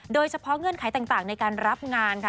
โดยเฉพาะเงื่อนไขต่างในการรับงานค่ะ